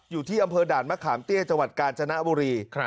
อยู่ที่อำเภอด่านหมาขามเตี้ยกกาญชนาบุรี